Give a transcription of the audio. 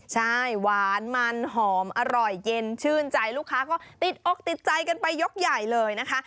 ใช่หวานมันหอมอร่อยเย็นชื่นใจลูกค้าก็ติดอกติดใจกันไปยกใหญ่เลยนะคะ